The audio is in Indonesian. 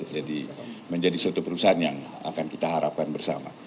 jadi menjadi suatu perusahaan yang akan kita harapkan bersama